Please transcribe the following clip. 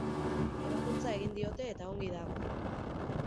Ebakuntza egin diote eta ongi dago.